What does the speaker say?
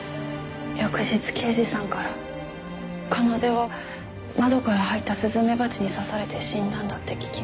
翌日刑事さんから奏は窓から入ったスズメバチに刺されて死んだんだって聞きました。